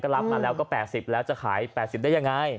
รับมาแล้วก็๘๐แล้วจะขาย๘๐ได้ยังไง